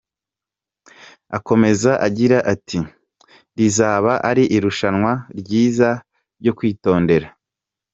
Akomeza agira ati “Rizaba ari irushanwa ryiza ryo kwitondera.